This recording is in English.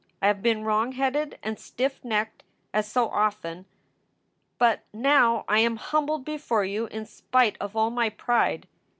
I have been wrong headed and stiff necked as so often, but now I am humbled before you in spite of all my pride.